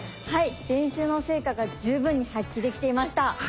練習の成果が十分に発揮できていました。